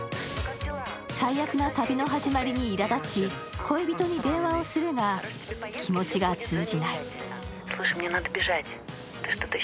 最悪な旅の始まりにいら立ち恋人に電話をするが気持ちが通じない。